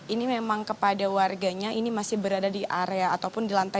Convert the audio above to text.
ini memang kepada warganya ini masih berada di area ataupun di lantai dua